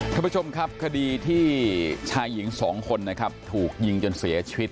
ท่านผู้ชมครับคดีที่ชายหญิงสองคนนะครับถูกยิงจนเสียชีวิต